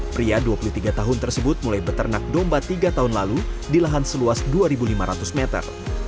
pria dua puluh tiga tahun tersebut mulai beternak domba tiga tahun lalu di lahan seluas dua lima ratus meter